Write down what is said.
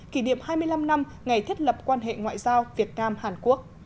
kỷ niệm hai mươi năm năm ngày thiết lập quan hệ ngoại giao việt nam hàn quốc